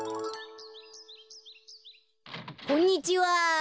こんにちは。